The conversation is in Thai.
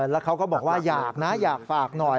แล้วเขาก็บอกว่าอยากนะอยากฝากหน่อย